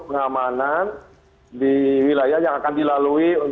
pengamanan di wilayah yang akan dilalui